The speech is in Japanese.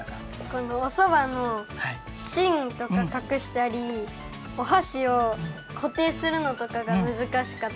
このおそばのしんとかかくしたりおはしをこていするのとかがむずかしかったです。